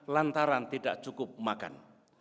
lantaran tidak cukup makan